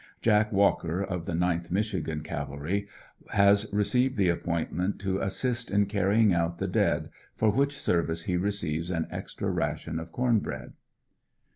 Jack Walker, of the 9th Mich. Cavalry, has received the appointment to assist in carrying out the dead, for which service he receives an extra ration of corn bread.